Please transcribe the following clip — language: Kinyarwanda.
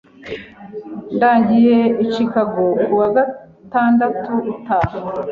Ndagiye i Chicago kuwa gatandatu utaha.